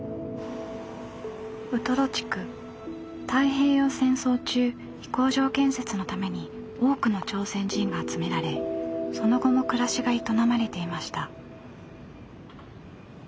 太平洋戦争中飛行場建設のために多くの朝鮮人が集められその後も暮らしが営まれていました。